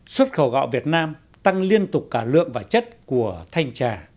xuất khẩu gạo việt nam tăng liên tục cả lượng và chất của thanh trà